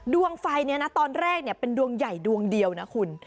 ดวงไฟนี้นะตอนแรกเป็นดวงใหญ่ดวงเดียวนะคุณ